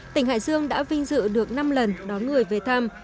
tỉnh hải dương đã vinh dự được năm lần đón người về thăm